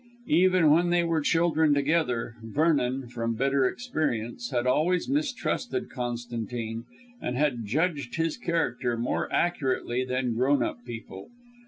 Even when they were children together, Vernon from bitter experience had always mistrusted Constantine, and had judged his character more accurately than grown up people.